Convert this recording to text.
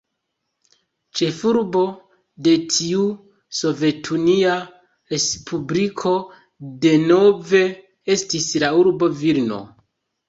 Ĉefurbo de tiu sovetunia respubliko denove estis la urbo Vilno.